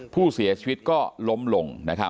ผู้เสียชีวิตก็ล้มลง